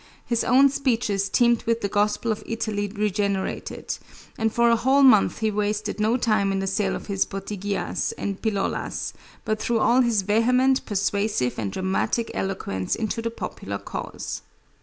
His own speeches teemed with the gospel of Italy regenerated; and for a whole month he wasted no time in the sale of his bottighias and pillolas, but threw all his vehement, persuasive, and dramatic eloquence into the popular cause.